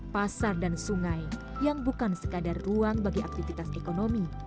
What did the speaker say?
pasar dan sungai yang bukan sekadar ruang bagi aktivitas ekonomi